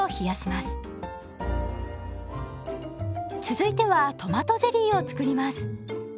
続いてはトマトゼリーを作ります。